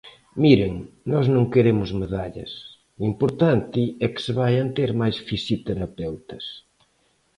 Miren: nós non queremos medallas; o importante é que se vaian ter máis fisioterapeutas.